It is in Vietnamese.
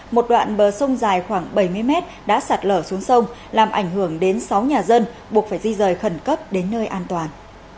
một đoạn bờ sông dài khoảng bảy mươi mét đã sạt lở xuống sông làm ảnh hưởng đến sáu nhà dân buộc phải di rời khẩn cấp đến nơi an toàn